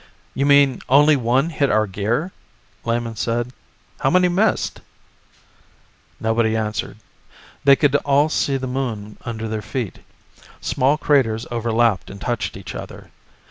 "You mean only one hit our gear," Lehman said. "How many missed?" Nobody answered. They could all see the Moon under their feet. Small craters overlapped and touched each other.